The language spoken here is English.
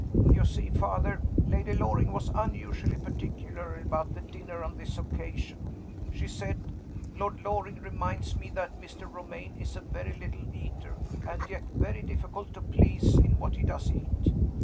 "You see, Father, Lady Loring was unusually particular about the dinner on this occasion. She said, 'Lord Loring reminds me that Mr. Romayne is a very little eater, and yet very difficult to please in what he does eat.